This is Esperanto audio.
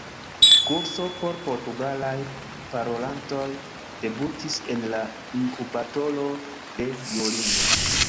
-kurso por portugalaj parolantoj debutis en la inkubatoro de Duolingo